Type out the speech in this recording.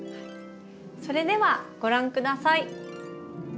それではご覧下さい。